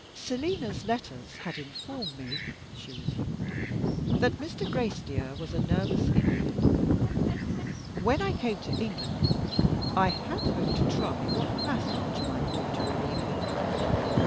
"Selina's letters had informed me," she resumed, "that Mr. Gracedieu was a nervous invalid. When I came to England, I had hoped to try what massage might do to relieve him.